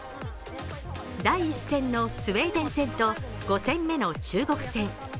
第１戦のスウェーデン戦と５戦目の中国戦。